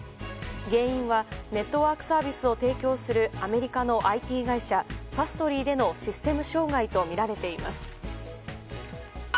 原因はネットワークサービスを提供するアメリカのＩＴ会社ファストリーでのシステム障害とみられています。